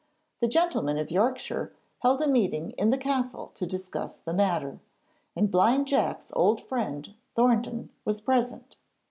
The gentlemen of Yorkshire held a meeting in the castle to discuss the matter, and Blind Jack's old friend, Thornton, was present.